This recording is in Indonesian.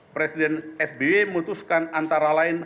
presiden sby memutuskan antara lain